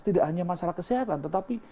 tidak hanya masalah kesehatan tetapi